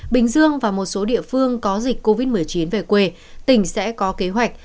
bình dương và một số địa phương có dịch covid một mươi chín về quê tỉnh sẽ có kế hoạch